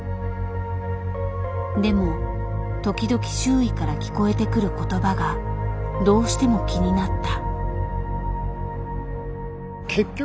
でも時々周囲から聞こえてくる言葉がどうしても気になった。